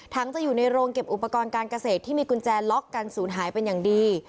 จะอยู่ในโรงเก็บอุปกรณ์การเกษตรที่มีกุญแจล็อกกันสูญหายเป็นอย่างดี